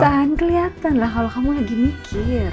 ya kelihatan kelihatan lah kalau kamu lagi mikir